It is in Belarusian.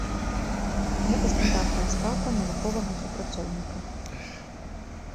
Гэта стандартная стаўка навуковага супрацоўніка.